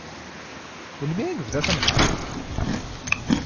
Melmi i yebda tanhert?